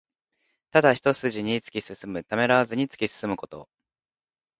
ただ一すじに突き進む。ためらわずに突き進むこと。